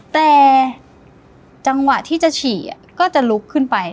แต่จังหวะที่จะฉี่ก็จะลุกขึ้นไป